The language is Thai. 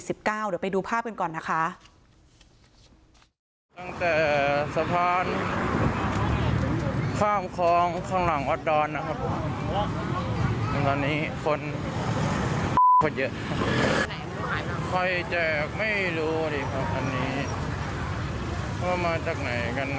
เดี๋ยวไปดูภาพกันก่อนนะคะ